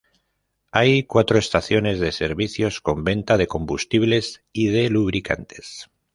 Hay cuatro estaciones de servicios con venta de combustibles y de lubricantes.